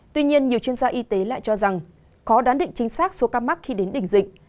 tuy nhiên nhiều chuyên gia y tế lại cho rằng khó đoán định chính xác số ca mắc khi đến đỉnh dịch